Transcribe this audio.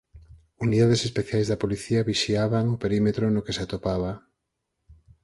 Unidades especiais da policía vixiaban o perímetro no que se atopaba.